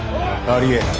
「ありえん！